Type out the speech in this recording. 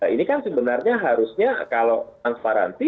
ini kan sebenarnya harusnya kalau transparansi